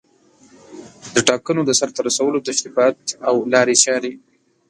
د ټاکنو د سرته رسولو تشریفات او لارې چارې